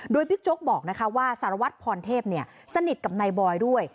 โดยบิ๊กโจ๊กบอกว่าสารวัตรพรเทพสนิทกับนายบอยด้วย